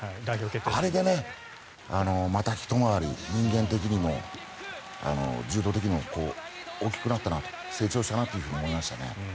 あれでね、またひと回り人間的にも柔道的にも大きくなったなと成長したなと思いましたね。